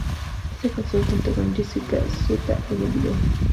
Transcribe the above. Esta canción cuenta con Jessica Sutta en el video.